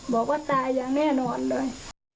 บอกว่าตายอย่างแน่นอนเลย